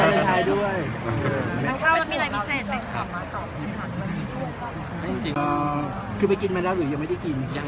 ้านสูงกำลังอยู่ในตัวแหล่งเรียนธุรกิจกับดิจริง